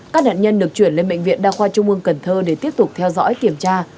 các nạn nhân được chuyển lên bệnh viện đa khoa trung ương cần thơ để tiếp tục theo dõi kiểm tra